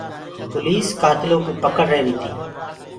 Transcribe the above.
پوليس ڪآتلو ڪوُ پَڪڙ رهيري تي۔